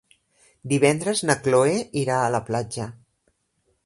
Divendres na Cloè irà a la platja.